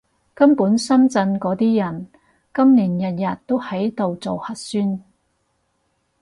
根本深圳嗰啲人，今年日日都喺度做核酸